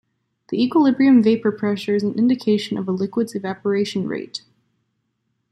The equilibrium vapor pressure is an indication of a liquid's evaporation rate.